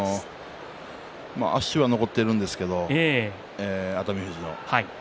足は残っているんですけど熱海富士の。